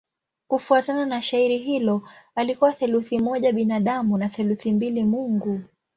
Kufuatana na shairi hilo alikuwa theluthi moja binadamu na theluthi mbili mungu.